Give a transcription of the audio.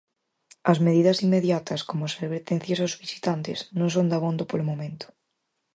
As medidas inmediatas, como as advertencias aos visitantes, non son dabondo polo momento.